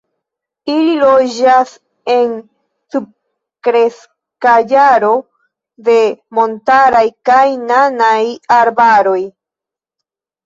Ili loĝas en subkreskaĵaro de montaraj kaj nanaj arbaroj.